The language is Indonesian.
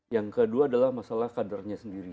yang kedua adalah masalah kadernya sendiri